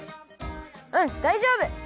うんだいじょうぶ！